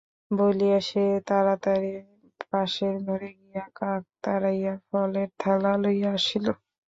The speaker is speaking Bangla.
বলিয়া সে তাড়াতাড়ি পাশের ঘরে গিয়া কাক তাড়াইয়া ফলের থালা লইয়া আসিল।